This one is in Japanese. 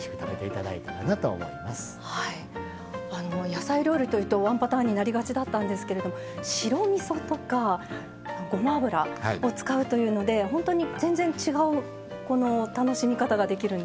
野菜料理というとワンパターンになりがちだったんですけれども白みそとかごま油を使うというのでほんとに全然違うこの楽しみ方ができるんですね。